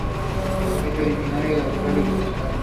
Es originaria de Australia Occidental.